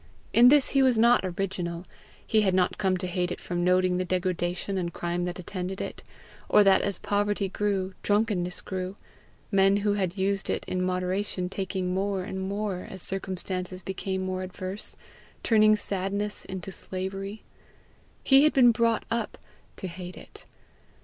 In this he was not original; he had not come to hate it from noting the degradation and crime that attended it, or that as poverty grew, drunkenness grew, men who had used it in moderation taking more and more as circumstances became more adverse, turning sadness into slavery: he had been brought up to hate it.